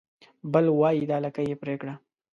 بل وای دا لکۍ يې پرې کړه